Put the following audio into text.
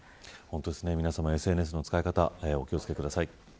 皆さま、ＳＮＳの使い方お気を付けください。